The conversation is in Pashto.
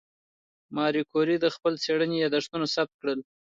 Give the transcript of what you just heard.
ماري کوري د خپلې څېړنې یادښتونه ثبت کړل.